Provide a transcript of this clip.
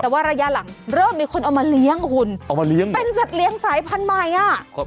แต่ว่าระยะหลังเริ่มมีคนเอามาเลี้ยงคุณเอามาเลี้ยงเป็นสัตว์เลี้ยงสายพันธุ์ใหม่อ่ะ